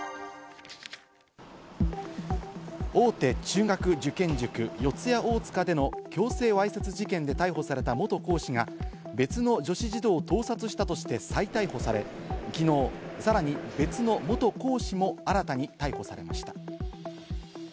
大手中学受験塾・四谷大塚での強制わいせつ事件で逮捕された元講師が別の女子児童を盗撮したとして再逮捕され、きのうさらに別の元講師も新たに逮捕されました。